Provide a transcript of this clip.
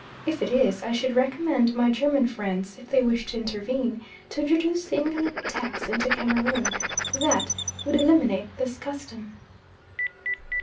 If it is, I should recommend my German friends, if they wish to intervene, to introduce the income tax into Cameroon that would eliminate this custom.